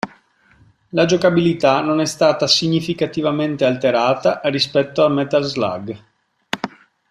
La giocabilità non è stata significativamente alterata rispetto a "Metal Slug".